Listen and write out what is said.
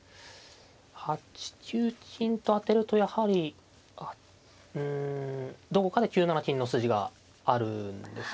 ８九金と当てるとやはりうんどこかで９七金の筋があるんですよね。